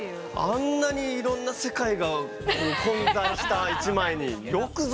あんなにいろんな世界が混在した一枚によくぞ。